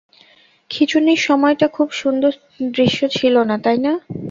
খিঁচুনির সময়টা খুব সুন্দর দৃশ্য ছিল না, তাই না?